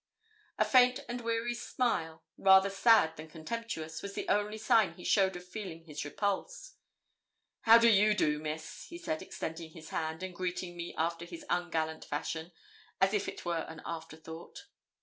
A faint and weary smile, rather sad than comtemptuous, was the only sign he showed of feeling his repulse. 'How do you do, Miss?' he said, extending his hand, and greeting me after his ungallant fashion, as if it were an afterthought.